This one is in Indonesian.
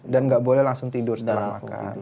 dan nggak boleh langsung tidur setelah makan